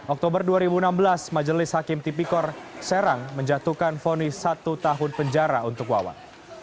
oktober dua ribu enam belas majelis hakim tipikor serang menjatuhkan fonis satu tahun penjara untuk wawan